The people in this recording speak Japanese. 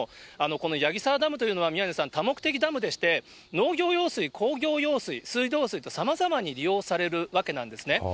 この矢木沢ダムというのは、宮根さん、多目的ダムでして、農業用水、工業用水、水道水と、さまざまに利用されるわけなんですね。